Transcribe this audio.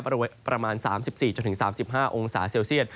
บริเวณประมาณ๓๔๓๕องศาเซลเซียต